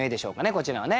こちらはね。